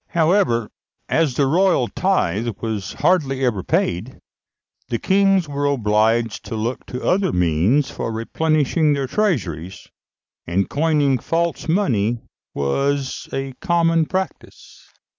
However, as the royal tithe was hardly ever paid, the kings were obliged to look to other means for replenishing their treasuries; and coining false money was a common practice.